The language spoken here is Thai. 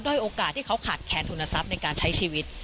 โอกาสที่เขาขาดแคนทุนทรัพย์ในการใช้ชีวิต